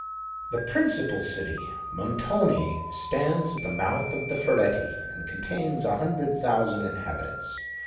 The principal city, Montoni, stands at the mouth of the Ferretti, and contains a hundred thousand inhabitants.